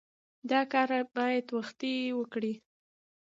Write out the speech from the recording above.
دا کار باید وختي وکړې.